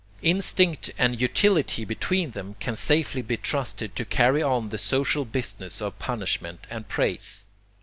Instinct and utility between them can safely be trusted to carry on the social business of punishment and praise.